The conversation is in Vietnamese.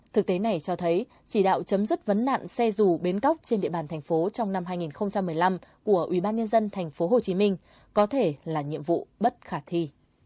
thực tế này cho thấy chỉ đạo chấm dứt vấn nạn xe dù bến cóc trên địa bàn thành phố trong năm hai nghìn một mươi năm của ubnd tp hcm có thể là nhiệm vụ bất khả thi